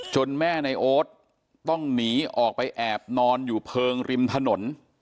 แม่ในโอ๊ตต้องหนีออกไปแอบนอนอยู่เพลิงริมถนน